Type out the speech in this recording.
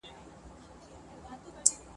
بې له شکه برخه لرلای سي